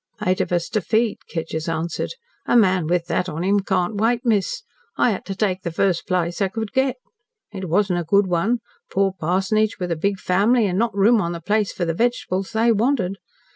"Eight of us to feed," Kedgers answered. "A man with that on him can't wait, miss. I had to take the first place I could get. It wasn't a good one poor parsonage with a big family an' not room on the place for the vegetables they wanted.